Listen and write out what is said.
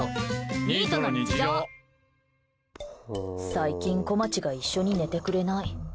最近、こまちが一緒に寝てくれない。